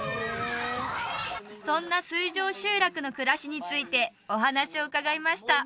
そんな水上集落の暮らしについてお話を伺いました